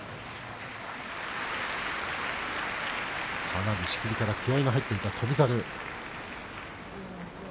かなり仕切りから気合いが入っていた翔猿。